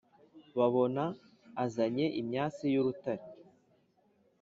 babona azanye imyase y' urutare.